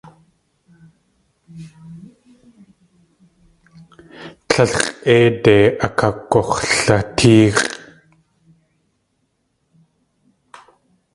Tlél x̲ʼéide akagux̲latéex̲ʼ.